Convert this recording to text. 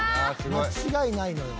「間違いないのよ」